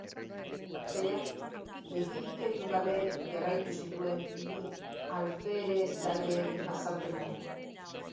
Kapitainak begirik kendu gabe jarraitu zituen bi alferezgaien azalpenak.